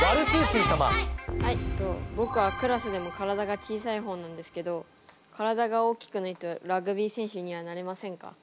僕はクラスでも体が小さい方なんですけど体が大きくないとラグビー選手にはなれませんか？